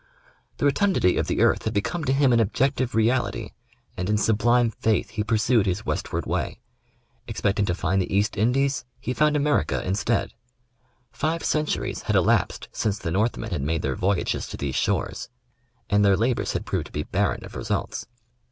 The rotundity of the earth had become to him an objective reality, and in sublime faith he pursued his westward way. Expecting to find the East Indies he found America in stead. Five centuries had elapsed since the Northmen had made their voyages to these shores — and their labors had proved to be barren of results.